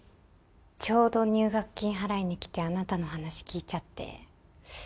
ちょうど入学金払いに来てあなたの話聞いちゃって。